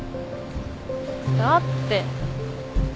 だって。